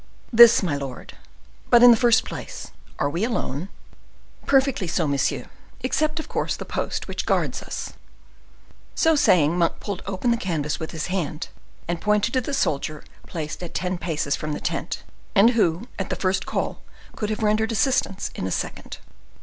"This, my lord;—but, in the first place, are we alone?" "Perfectly so, monsieur, except, of course, the post which guards us." So saying, Monk pulled open the canvas with his hand, and pointed to the soldier placed at ten paces from the tent, and who, at the first call, could have rendered assistance in a second.